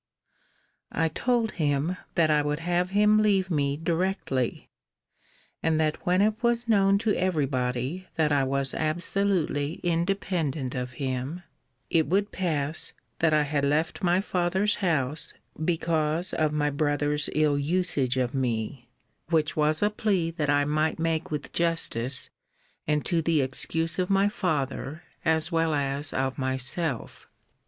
I told him, that I would have him leave me directly; and that, when it was known to every body that I was absolutely independent of him, it would pass, that I had left my father's house because of my brother's ill usage of me: which was a plea that I might make with justice, and to the excuse of my father, as well as of myself.